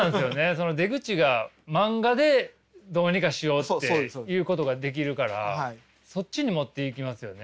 その出口が漫画でどうにかしようっていうことができるからそっちに持っていきますよね。